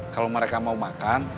kalau mereka mau makan